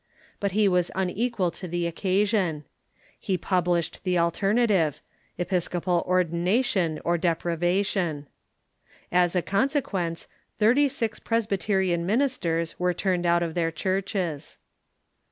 But he was unequal to the occasion. He published the alter native— Episcopal ordination or deprivation. As a conse quence, thirty six Presbyterian ministers were turned out of their churches.